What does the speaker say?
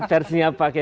versinya pak k